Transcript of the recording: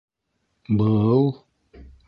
- Бы-был...